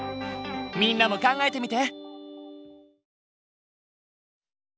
みんなも考えてみて！